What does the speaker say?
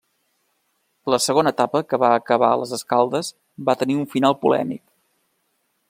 La segona etapa que va acabar a Les Escaldes va tenir un final polèmic.